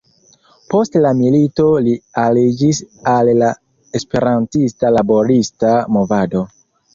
Post la milito li aliĝis al la esperantista laborista movado.